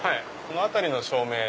この辺りの照明